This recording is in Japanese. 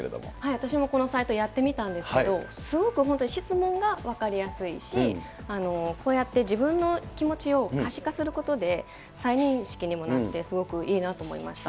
私もこのサイトやってみたんですけど、すごく本当に質問が分かりやすいし、こうやって自分の気持ちを可視化することで、再認識にもなって、すごくいいなと思いました。